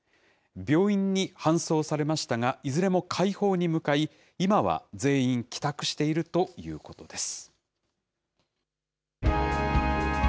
病院に搬送されましたが、いずれも快方に向かい、今は全員帰宅しているということです。